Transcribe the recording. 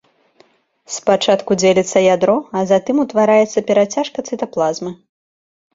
Спачатку дзеліцца ядро, а затым утвараецца перацяжка цытаплазмы.